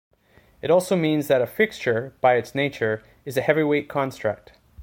It also means that a fixture, by its nature, is a heavyweight construct.